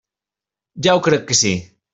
Ja ho crec que sí.